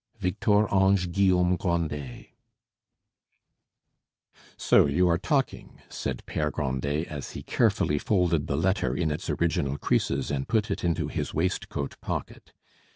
Victor Ange Guillaume Grandet. "So you are talking?" said Pere Grandet as he carefully folded the letter in its original creases and put it into his waistcoat pocket.